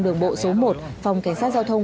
đường bộ số một phòng cảnh sát giao thông